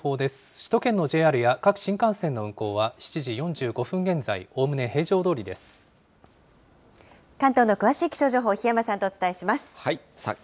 首都圏のＪＲや各新幹線の運行は７時４５分現在、おおむね平常ど関東の詳しい気象情報、檜山さんとお伝えします。